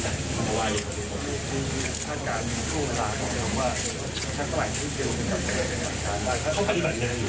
หรืออย่างนี้บางที่